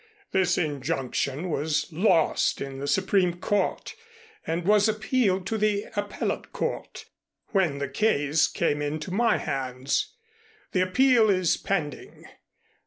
This injunction was lost in the Supreme Court and was appealed to the Appellate Court, when the case came into my hands. That appeal is pending.